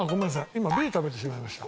今Ｂ食べてしまいました。